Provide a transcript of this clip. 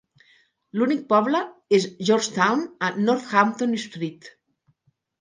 L'únic poble és Georgetown, a Northampton Street.